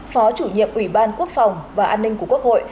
phó chủ nhiệm ủy ban quốc phòng và an ninh của quốc hội